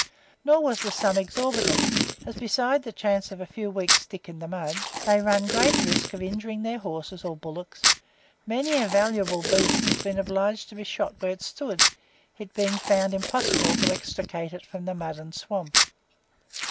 Nor was the sum exorbitant, as besides the chance of a few weeks' stick in the mud, they run great risk of injuring their horses or bullocks; many a valuable beast has been obliged to be shot where it stood, it being found impossible to extricate it from the mud and swamp.